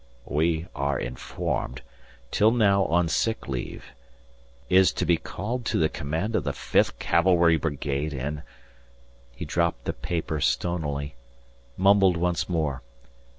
"We are informed... till now on sick leave... is to be called to the command of the 5th Cavalry Brigade in..." He dropped the paper stonily, mumbled once more...